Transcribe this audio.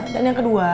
dan yang kedua